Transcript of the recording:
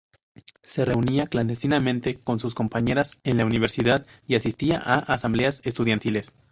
Se reunía clandestinamente con sus compañeras en la universidad y asistía a asambleas estudiantiles.